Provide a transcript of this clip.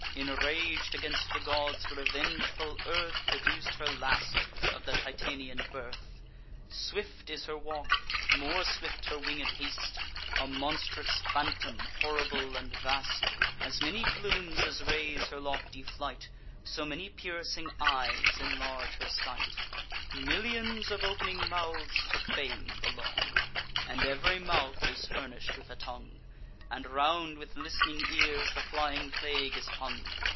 Inrag'd against the gods, revengeful Earth Produc'd her last of the Titanian birth. Swift is her walk, more swift her winged haste: A monstrous phantom, horrible and vast. As many plumes as raise her lofty flight, So many piercing eyes inlarge her sight; Millions of opening mouths to Fame belong, And ev'ry mouth is furnish'd with a tongue, And round with list'ning ears the flying plague is hung.